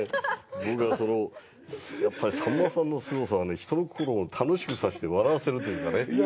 僕はやっぱりさんまさんのすごさはね人の心を楽しくさせて笑わせるというかね。